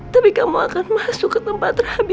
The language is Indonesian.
tapi kamu akan masuk ke tempat rabi